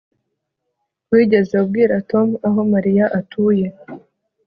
Wigeze ubwira Tom aho Mariya atuye